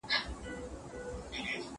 ډارن انسان هېڅ نشي ګټلی.